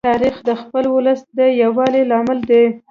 تاریخ د خپل ولس د یووالي لامل دی.